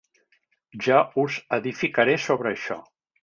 Ja us edificaré sobre això.